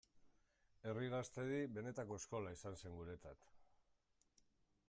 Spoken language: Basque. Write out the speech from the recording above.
Herri Gaztedi benetako eskola izan zen guretzat.